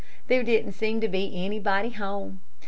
There didn't seem to be anybody to home.